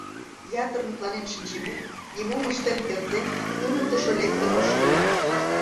Ятыр мутланен шинчымек, нимом ыштен кертде, туныктышо лектын ошкыльо.